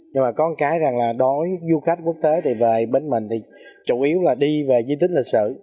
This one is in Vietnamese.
nhưng mà có một cái rằng là đối với du khách quốc tế thì về bên mình thì chủ yếu là đi về di tích lịch sử